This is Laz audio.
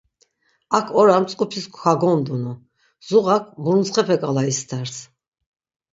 Ak ora mtzk̆upis kagondunu, zuğak muruntsxepe k̆ala isters.